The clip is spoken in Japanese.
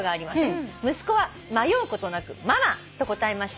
「息子は迷うことなく『ママ！』と答えました」